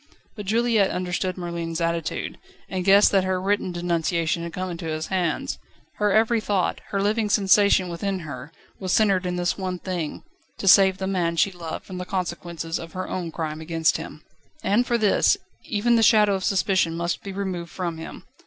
But Juliette understood Merlin's attitude, and guessed that her written denunciation had come into his hands. Her every thought, every living sensation within her, was centred in this one thing: to save the man she loved from the consequences of her own crime against him. And for this, even the shadow of suspicion must be removed from him.